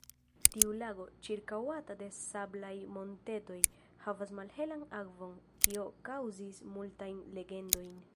Tiu lago, ĉirkaŭata de sablaj montetoj, havas malhelan akvon, kio kaŭzis multajn legendojn.